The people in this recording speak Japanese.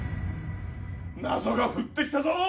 謎が降ってきたぞ！